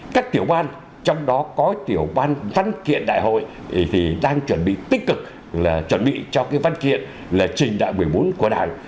các tiểu ban trong đó có tiểu ban văn kiện đại hội thì đang chuẩn bị tích cực là chuẩn bị cho cái văn kiện là trình đại một mươi bốn của đảng